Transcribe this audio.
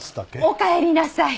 おかえりなさい。